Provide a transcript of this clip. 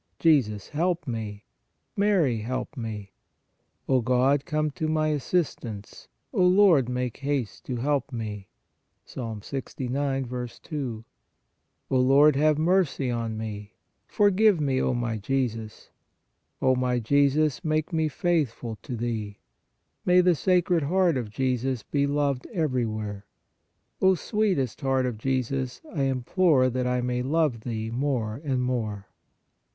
Jesus, help me. Mary, help me. " O God, come to my assistance; O Lord, make haste to help me " (Ps. 69. 2). O Lord, have mercy on me. For give me, O my Jesus. O my Jesus, make me faith ful to Thee. May the Sacred Heart of Jesus be loved everywhere. O sweetest Heart of Jesus, I implore that I may love Thee more and more.